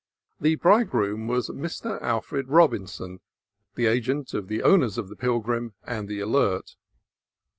The bridegroom was Mr. Alfred Robinson, the agent of the owners of the Pilgrim and the Alert.